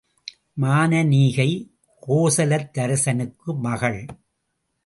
மானனீகை கோசலத்தரசனுக்கு மகள்!